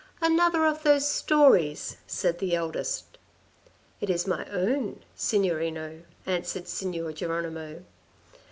" Another of those stories," said the eldest. " It is my own, Signorino," answered Signor Geronimo.